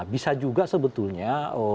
bisa juga sebetulnya